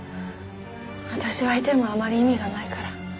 私がいてもあまり意味がないから。